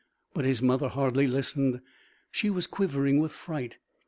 But his mother hardly listened. She was quivering with fright.